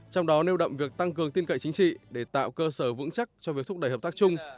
trong đó nêu động việc tăng cường tin cậy chính trị để tạo cơ sở vững chắc cho việc thúc đẩy hợp tác chung